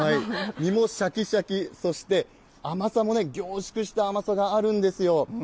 実もしゃきしゃき、そして甘さも凝縮した甘さがあるんですよ。